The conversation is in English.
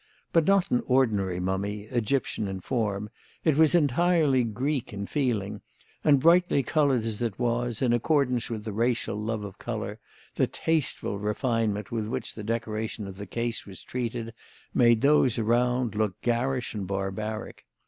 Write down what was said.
But not an ordinary mummy. Egyptian in form, it was entirely Greek in feeling; and brightly coloured as it was, in accordance with the racial love of colour, the tasteful refinement with which the decoration of the case was treated made those around look garish and barbaric.